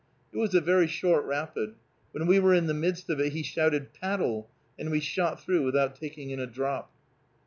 It was a very short rapid. When we were in the midst of it he shouted "paddle," and we shot through without taking in a drop.